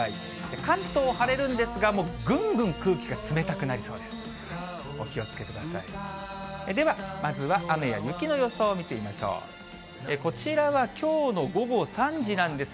関東晴れるんですが、ぐんぐん空気が冷たくなりそうです。